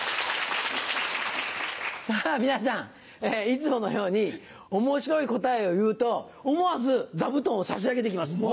さぁ皆さんいつものように面白い答えを言うと思わず座布団を差し上げて行きます。